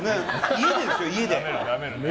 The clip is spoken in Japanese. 家でですよ、家で。